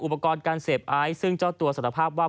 อุปกรณ์การเสพไอซ์ซึ่งเจ้าตัวสารภาพว่า